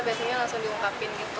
biasanya langsung diungkapin gitu